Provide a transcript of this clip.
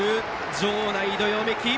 場内、どよめき。